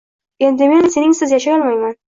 Endi men seningsiz yashay olmayman…